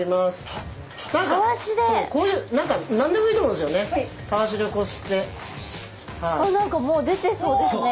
あっ何かもう出てそうですね。